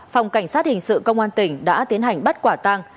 phòng cảnh sát hình sự công an tỉnh đã tiến hành bắt quả tang